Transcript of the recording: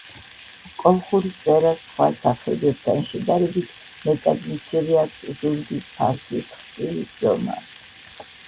კოლხური წვერას სხვა სახეობებთან შედარებით მეტად მცირე აქვს ზურგის ფარფლის ხრტილის ზომა.